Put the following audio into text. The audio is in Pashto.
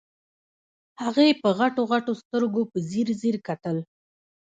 هغې په غټو غټو سترګو په ځير ځير کتل.